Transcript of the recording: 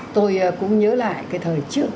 tôi cũng nhớ lại cái thời trước